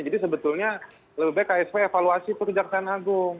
jadi sebetulnya lebih baik ksp evaluasi pekerjaan agung